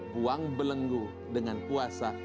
buang belenggu dengan puasa